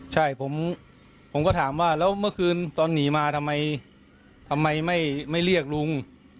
ใช่ผมก็ถามว่าแล้วเมื่อคืนตอนหนีมาทำไมทำไมไม่เรียกลุง